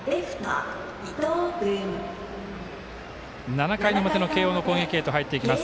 ７回の表の慶応の攻撃へと入っていきます。